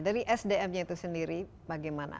dari sdm nya itu sendiri bagaimana